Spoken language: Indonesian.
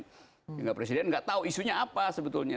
sehingga presiden nggak tahu isunya apa sebetulnya